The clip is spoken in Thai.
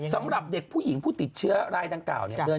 สำหรับเด็กผู้หญิงผู้ติดเชื้อรายดังกล่าวเนี่ย